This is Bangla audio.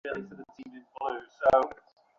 স্পর্শ করলেই ফেঁসে যাব।